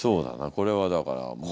これはだからもう。